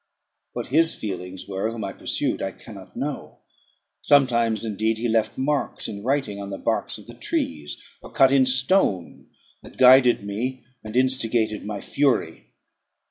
What his feelings were whom I pursued I cannot know. Sometimes, indeed, he left marks in writing on the barks of the trees, or cut in stone, that guided me, and instigated my fury.